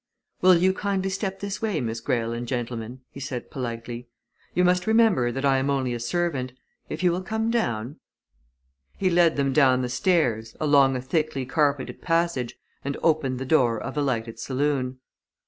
"Will you kindly step this way, Miss Greyle and gentlemen?" he said politely. "You must remember that I am only a servant. If you will come down " He led them down the stairs, along a thickly carpeted passage, and opened the door of a lighted saloon.